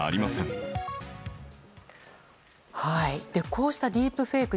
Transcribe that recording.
こうしたディープフェイク